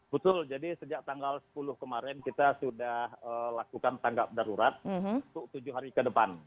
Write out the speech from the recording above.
betul jadi sejak tanggal sepuluh kemarin kita sudah lakukan tanggap darurat untuk tujuh hari ke depan